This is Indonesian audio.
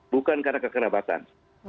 bukan karena kekerabatan